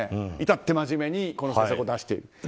いたって真面目にこの政策を出している。